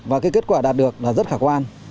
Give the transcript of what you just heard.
và cái kết quả đạt được là rất khả quan